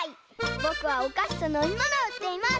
ぼくはおかしとのみものをうっています。